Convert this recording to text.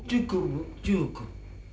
cukup bu cukup